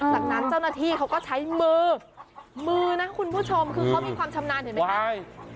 จากนั้นเจ้าหน้าที่เขาก็ใช้มือมือมือนะคุณผู้ชมคือเขามีความชำนาญเห็นไหมคะ